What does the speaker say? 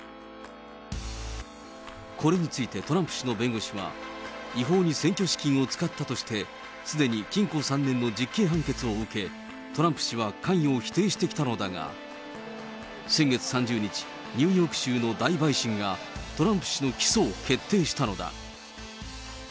これについてトランプ氏の弁護士は、違法に選挙資金を使ったとして、すでに禁錮３年の実刑判決を受け、トランプ氏は関与を否定してきたのだが、先月３０日、ニューヨーク州の大陪審が、トランプ氏の起訴を決定したのだ。